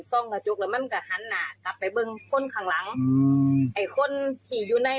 ก็อาจจะดึงได้